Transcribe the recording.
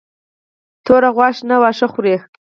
توره غوا شنه واښه خوري.